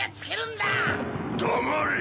だまれ！